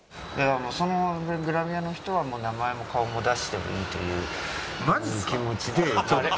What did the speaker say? そのグラビアの人は名前も顔も出してもいいという気持ちでちょっと。